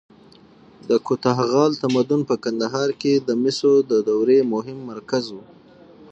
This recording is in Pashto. د کوتاه غال تمدن په کندهار کې د مسو د دورې مهم مرکز و